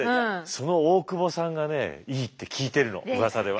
その大窪さんがねいいって聞いてるのうわさでは。